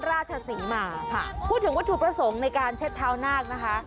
ราชศรีมาค่ะพูดถึงวัตถุประสงค์ในการเช็ดเท้านาคนะคะ